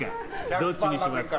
どっちにしますか？